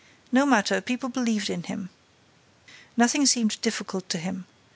No matter, people believed in him! Nothing seemed difficult to him.